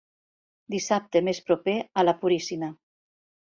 Dissabte més proper a la Puríssima.